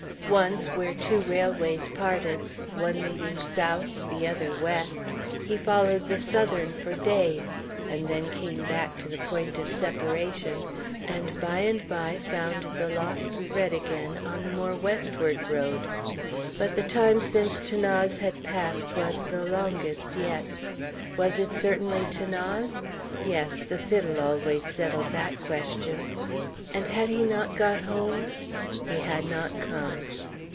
Once, where two railways parted, one leading south, the other west, he followed the southern for days, and then came back to the point of separation, and by and by found the lost thread again on the more westward road. But the time since 'Thanase had passed was the longest yet. Was it certainly 'Thanase? Yes; the fiddle always settled that question. And had he not got home? He had not come.